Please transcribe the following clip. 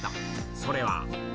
それは。